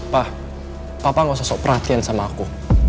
pa papa gak usah sok perhatian sama aku